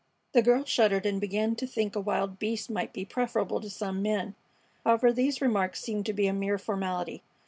The girl shuddered and began to think a wild beast might be preferable to some men. However, these remarks seemed to be a mere formality.